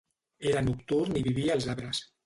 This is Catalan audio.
Era nocturn i vivia als arbres.